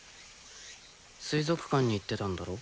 水族館に行ってたんだろ。